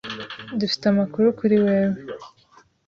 Dufite amakuru kuri wewe.